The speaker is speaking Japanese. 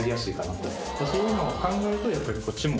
そういうのを考えるとやっぱりこっちも。